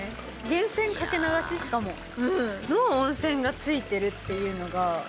源泉掛け流しの温泉がついてるっていうのが。